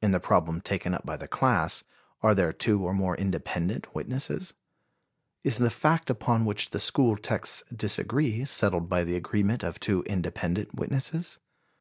In the problem taken up by the class, are there two or more independent witnesses? Is the fact upon which the school texts disagree settled by the agreement of two independent witnesses?